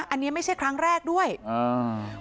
อันนี้ไม่ใช่ครั้งแรกด้วยอ่า